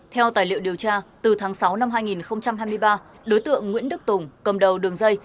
theo tài liệu điều tra từ tháng sáu năm hai nghìn hai mươi ba đối tượng nguyễn đức tùng cầm đầu đường dây